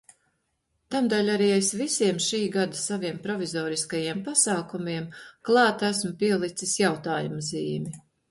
Tamdēļ arī es visiem šī gada saviem provizoriskajiem pasākumiem klāt esmu pielicis jautājuma zīmi.